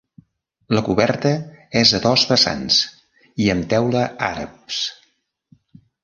La coberta és a dos vessants i amb teula àrabs.